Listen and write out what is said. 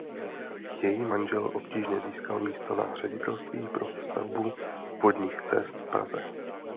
Její manžel obtížně získal místo na Ředitelství pro stavbu vodních cest v Praze.